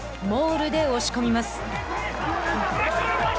モールで押し込みます。